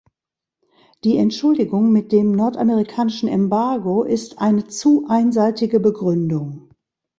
Die Entschuldigung mit dem nordamerikanischen Embargo ist eine zu einseitige Begründung.